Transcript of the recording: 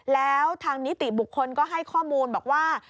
แล้วทางนิติบุคคลก็ให้ข้อมูลบอกว่า